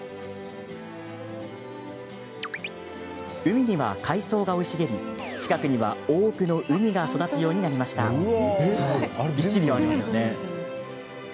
海には海藻が生い茂り近くには多くのウニが育つようになったのです。